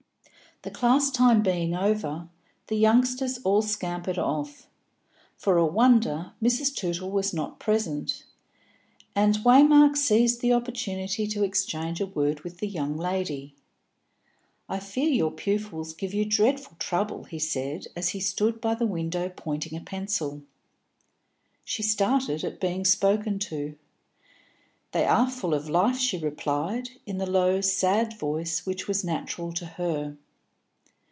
The class time being over, the youngsters all scampered off. For a wonder, Mrs. Tootle was not present, and Waymark seized the opportunity to exchange a word with the young lady. "I fear your pupils give you dreadful trouble," he said, as he stood by the window pointing a pencil. She started at being spoken to. "They are full of life," she replied, in the low sad voice which was natural to her.